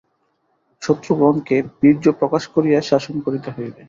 শত্রুগণকে বীর্যপ্রকাশ করিয়া শাসন করিতে হইবে।